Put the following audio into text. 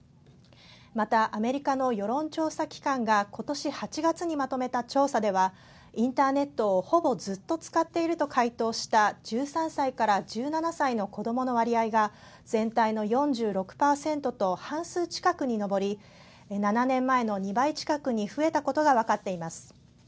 また、アメリカの世論調査機関が今年８月にまとめた調査ではインターネットをほぼずっと使っていると回答した１３歳から１７歳の子どもの割合が全体の４６％と半数近くに上り７年前の２倍近くに増えたことが分かっています。